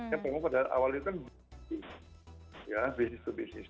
yang pertama pada awalnya kan berarti ya bisnis ke bisnis